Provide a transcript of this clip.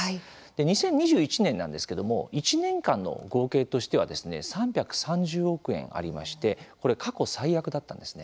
２０２１年なんですけども１年間の合計としては３３０億円ありましてこれ、過去最悪だったんですね。